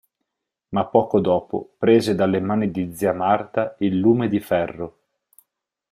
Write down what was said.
Ma poco dopo prese dalle mani di zia Marta il lume di ferro.